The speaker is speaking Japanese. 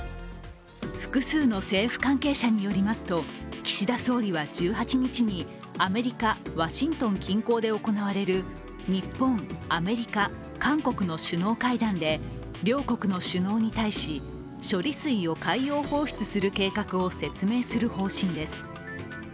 複数の政府関係者によりますと岸田総理は１８日にアメリカ・ワシントン近郊で行われる日本、アメリカ、韓国の首脳会談で両国の首脳に対し、処理水を海洋放出する計画を説明する方針です。